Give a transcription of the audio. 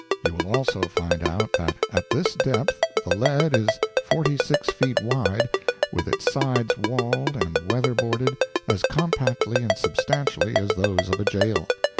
You will also find out that at this depth the lead is forty six feet wide, with its sides walled and weather boarded as compactly and substantially as those of a jail.